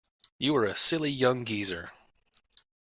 You are a silly young geezer.